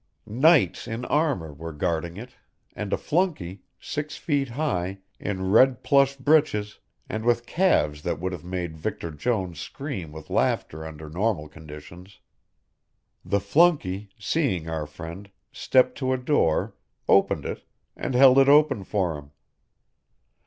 Knights in armour were guarding it, and a flunkey, six feet high, in red plush breeches, and with calves that would have made Victor Jones scream with laughter under normal conditions. The flunkey, seeing our friend, stepped to a door, opened it, and held it open for him.